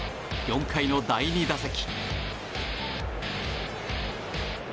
４回の第２打席。